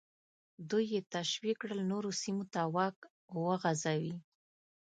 دوی یې تشویق کړل نورو سیمو ته واک وغځوي.